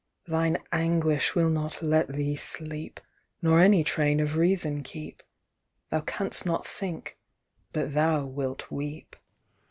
"Thine anguish will not let thee sleep, Nor any train of reason keep: Thou canst not think, but thou wilt weep."